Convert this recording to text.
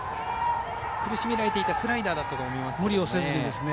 苦しめられていたスライダーだと思いますが。